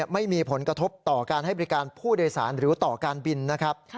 ไม่มีผลกระทบต่อการให้บริการผู้โดยสารหรือต่อการบินนะครับ